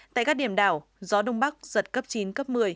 tại các điểm đảo gió đông bắc giật cấp chín cấp một mươi